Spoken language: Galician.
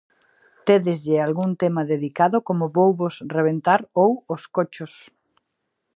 Tédeslle algún tema dedicado como Vouvos rebentar ou Os cochos.